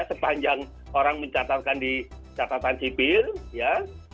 sepanjang orang mencatatkan di catatan sipil ya